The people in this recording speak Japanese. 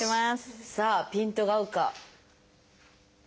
さあピントが合うか？